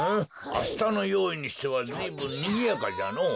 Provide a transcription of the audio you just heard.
あしたのよういにしてはずいぶんにぎやかじゃのぉ。